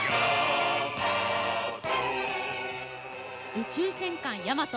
「宇宙戦艦ヤマト」。